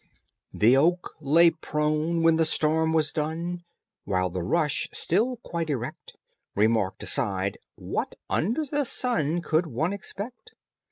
The oak lay prone when the storm was done, While the rush, still quite erect, Remarked aside, "What under the sun Could one expect?"